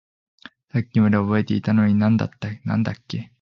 さっきまで覚えていたのに何だっけ？